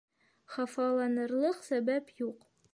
Хафаланырлыҡ сәбәп юҡ.